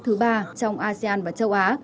thứ ba trong asean và châu á